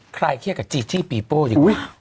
ใครเครียกกับจีจีบีโปะ